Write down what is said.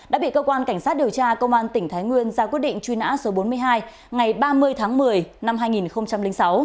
đã bị cơ quan cảnh sát điều tra công an tỉnh thái nguyên ra quyết định truy nã số bốn mươi hai ngày ba mươi tháng một mươi năm hai nghìn sáu